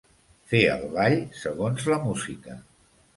Fer el ball segons la música.